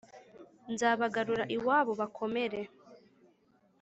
nzabagarura iwabo bakomere,